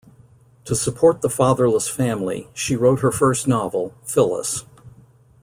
To support the fatherless family, she wrote her first novel, "Phyllis".